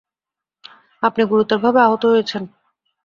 আপনি গুরুতরভাবে আহত হয়েছেন।